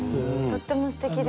とってもすてきです。